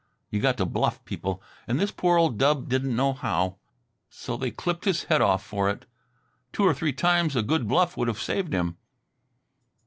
You got to bluff people, and this poor old dub didn't know how ... so they clipped his head off for it. Two or three times a good bluff would have saved him."